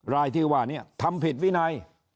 รายที่ว่านี้ทำผิดวินัย